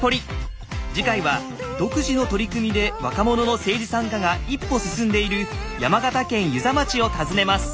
次回は独自の取り組みで若者の政治参加が一歩進んでいる山形県遊佐町を訪ねます。